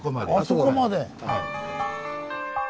あそこまで！